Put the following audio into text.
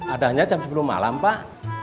adanya jam sepuluh malam pak